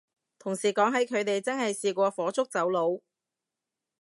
同事講起佢哋真係試過火燭走佬